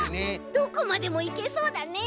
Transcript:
どこまでもいけそうだね。